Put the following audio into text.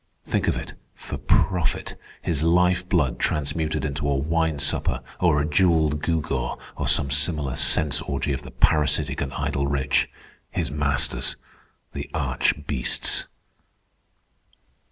Think of it. For profit—his life blood transmuted into a wine supper, or a jewelled gewgaw, or some similar sense orgy of the parasitic and idle rich, his masters, the arch beasts."